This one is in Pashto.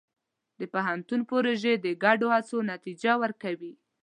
د پوهنتون پروژې د ګډو هڅو نتیجه ورکوي.